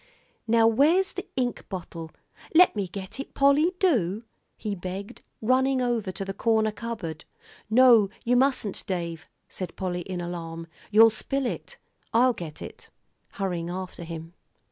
"Now where's the ink bottle? Let me get it, Polly, do," he begged, running over to the corner cupboard. "No, you mustn't, Dave," said Polly in alarm, "you'll spill it. I'll get it," hurrying after him.